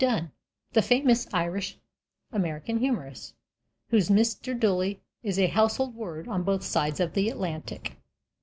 Dunne, the famous Irish American humorist, whose "Mr. Dooley" is a household word on both sides of the Atlantic.